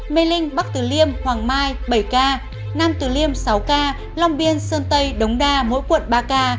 mê linh bắc tử liêm hoàng mai bảy ca nam tử liêm sáu ca long biên sơn tây đống đa mỗi quận ba ca